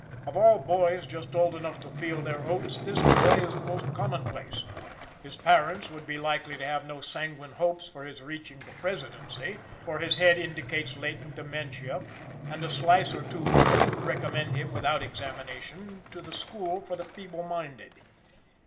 Of all boys just old enough to feel their oats, this boy is the most commonplace. His parents would be likely to have no sanguine hopes of his reaching the presidency; for his head indicates latent dementia, and a slice or two from it would recommend him, without exanimation, to the school for the feeble minded.